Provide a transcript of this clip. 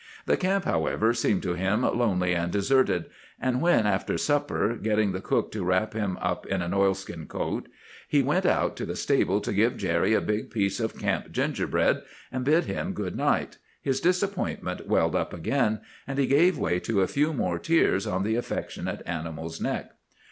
The camp, however, seemed to him lonely and deserted; and when, after supper, getting the cook to wrap him up in an oilskin coat, he went out to the stable to give Jerry a big piece of camp gingerbread and bid him good night, his disappointment welled up again, and he gave way to a few more tears on the affectionate animal's neck.